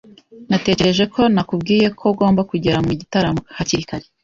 Natekereje ko nakubwiye ko ugomba kugera mu gitaramo hakiri kare.